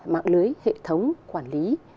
mạng lưới hệ thống quản lý